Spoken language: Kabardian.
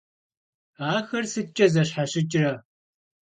Axer sıtç'e zeşheşıç're?